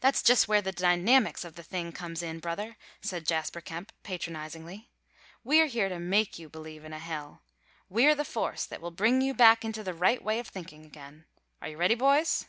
"That's just where the dynamics of the thing comes in, brother," said Jasper Kemp, patronizingly. "We're here to make you believe in a hell. We're the force that will bring you back into the right way of thinkin' again. Are you ready, boys?"